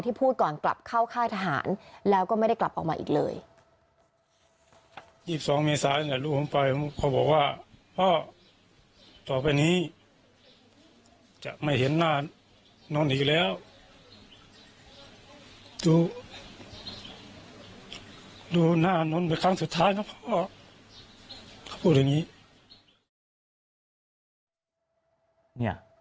พูดก่อนกลับเข้าค่ายทหารแล้วก็ไม่ได้กลับออกมาอีกเลย